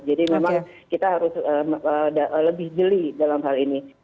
jadi memang kita harus lebih jeli dalam hal ini